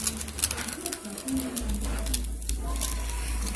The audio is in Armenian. Որոշները զբաղվում էին պանդխտությամբ։